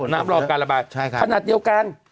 รอการระบายขนาดเดียวกัน